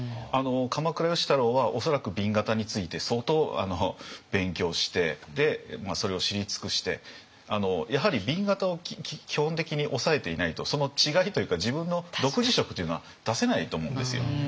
鎌倉芳太郎は恐らく紅型について相当勉強してそれを知り尽くしてやはり紅型を基本的に押さえていないとその違いというか自分の独自色というのは出せないと思うんですよ。